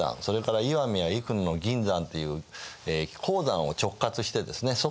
それから石見や生野の銀山っていう鉱山を直轄してですね